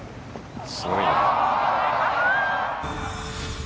すごいな。